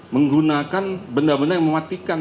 menggunakan benda benda yang mematikan